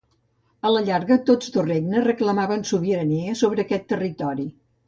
A la llarga tots dos regnes reclamaven sobirania sobre aquest territori.